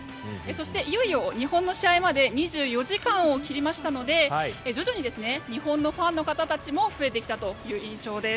そして、いよいよ日本の試合まで２４時間を切りましたので徐々に日本のファンの方たちも増えてきたという印象です。